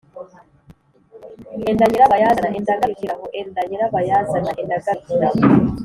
‘enda nyirabazana, enda garukira aho enda nyirabazana, enda garukira aho,